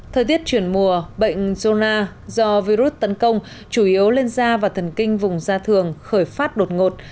thời tiết chuyển mùa bệnh zona do virus tấn công chủ yếu lên da và thần kinh vùng da thường khởi phát đột ngột